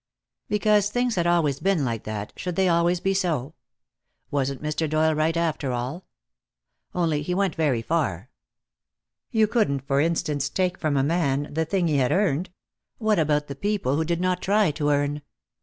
Because things had always been like that, should they always be so? Wasn't Mr. Doyle right, after all? Only he went very far. You couldn't, for instance, take from a man the thing he had earned. What about the people who did not try to earn?